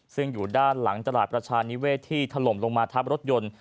ซึ่งอยู่ด้านหลังตลาดประชานิเวศที่ถล่มลงมาทับรถยนต์